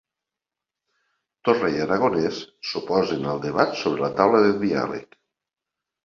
Torra i Aragonès s'oposen al debat sobre la taula de diàleg